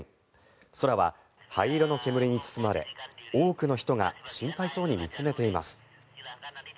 空は灰色の煙に包まれ多くの人が心配そうに見つめています。